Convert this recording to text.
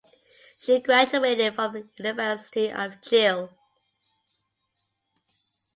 She graduated from University of Chile.